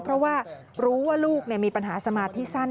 อะไรกับเหตุการณ์นี้เพราะว่ารู้ว่าลูกมีปัญหาสมาธิสั้น